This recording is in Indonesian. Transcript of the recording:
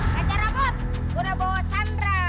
kejar robot gue udah bawa sandra